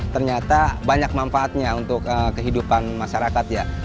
ternyata banyak manfaatnya untuk kehidupan masyarakat ya